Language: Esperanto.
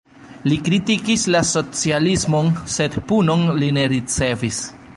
Li kritikis la socialismon, sed punon li ne ricevis.